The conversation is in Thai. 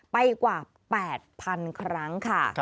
กว่า๘๐๐๐ครั้งค่ะ